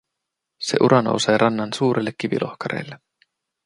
Se ura nousee rannan suurille kivilohkareille.